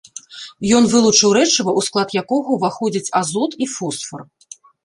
Ён вылучыў рэчыва, у склад якога ўваходзяць азот і фосфар.